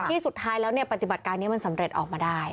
ที่สุดท้ายแล้วปฏิบัติการนี้มันสำเร็จออกมาได้